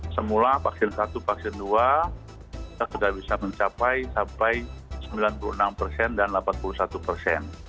semula vaksin satu vaksin dua kita sudah bisa mencapai sampai sembilan puluh enam persen dan delapan puluh satu persen